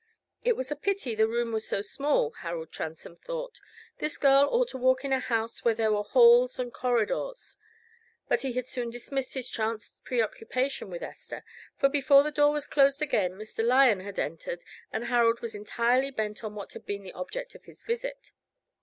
It was a pity the room was so small, Harold Transome thought: this girl ought to walk in a house where there were halls and corridors. But he had soon dismissed this chance preoccupation with Esther; for before the door was closed again Mr. Lyon had entered, and Harold was entirely bent on what had been the object of his visit.